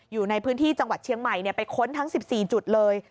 อยู่ในพื้นที่จังหวัดเชียงใหม่ไปค้นทั้ง๑๔จุดเลย